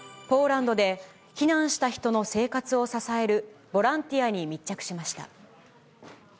ポーランドで、避難した人の生活を支えるボランティアに密着しました。